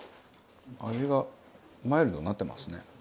味がマイルドになってますね。